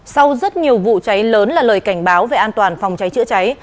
sau rất nhiều vụ cháy lớn là lời cảnh báo về an toàn phòng cháy chữa cháy